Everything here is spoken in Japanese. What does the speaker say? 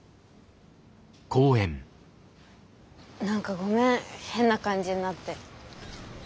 何かごめん変な感じになって。